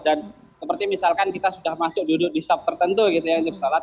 dan seperti misalkan kita sudah masuk duduk di shop tertentu gitu ya untuk sholat